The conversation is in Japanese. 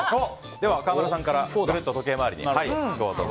では、川村さんからぐるっと時計回りに。